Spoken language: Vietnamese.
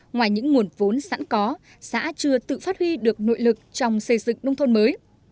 ngoài những nguồn vốn sẵn có xã chưa tự phát huy được nội lực trong xây dựng nông thôn mới